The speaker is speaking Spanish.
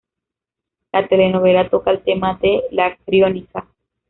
La telenovela toca el tema de la criónica.